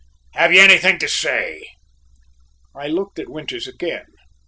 Have you anything to say?" I looked at Winters again.